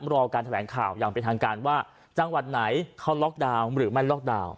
รอการแถลงข่าวอย่างเป็นทางการว่าจังหวัดไหนเขาล็อกดาวน์หรือไม่ล็อกดาวน์